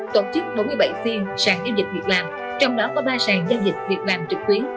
tổ chức bốn mươi bảy phiên sàn doanh nghiệp việt nam trong đó có ba sàn doanh nghiệp việt nam trực tuyến